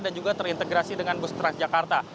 dan juga terintegrasi dengan bus transjakarta